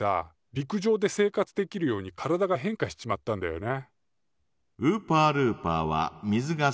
陸上で生活できるように体が変化しちまったんだよね。